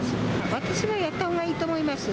私はやったほうがいいと思います。